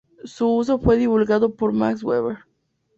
Su uso fue divulgado por Max Weber.